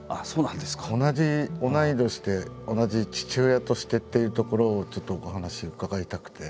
同じ同い年で同じ父親としてっていうところをちょっとお話伺いたくて。